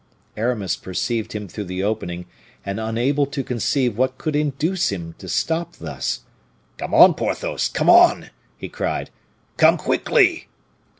Aramis perceived him through the opening, and unable to conceive what could induce him to stop thus "Come on, Porthos! come on," he cried; "come quickly!"